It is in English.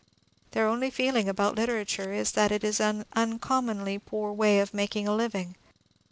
Their only feeling about literature is that it is an uncommonly poor way of making a living.